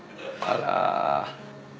あら。